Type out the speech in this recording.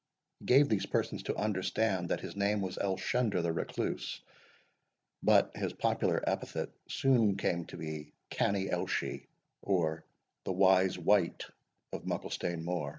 He gave these persons to understand, that his name was Elshender the Recluse; but his popular epithet soon came to be Canny Elshie, or the Wise Wight of Mucklestane Moor.